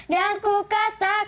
dan ku katakan